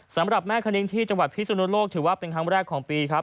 สำหรับแม่คณิ้งที่จังหวัดพิสุนโลกถือว่าเป็นครั้งแรกของปีครับ